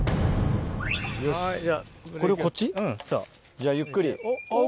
じゃあゆっくり。